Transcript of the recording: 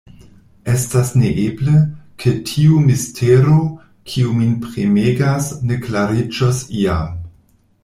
Estas neeble, ke tiu mistero, kiu min premegas, ne klariĝos iam.